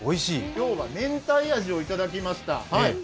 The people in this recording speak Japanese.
今日はめんたい味をいただきました。